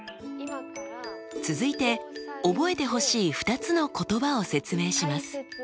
続いて覚えてほしい２つの言葉を説明します。